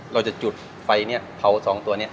เราจะจุดไฟเนี่ยเผา๒ตัวเนี่ย